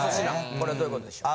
これはどういう事でしょう？